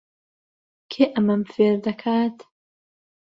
کێ ئەمەم فێر دەکات؟